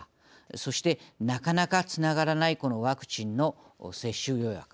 そして、なかなかつながらないこのワクチンの接種予約。